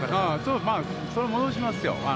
まあそれは戻しますよ。